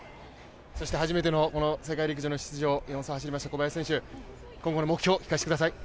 そして初めての世界陸上の出場４走を走りました小林選手、今後の目標を聞かせてください。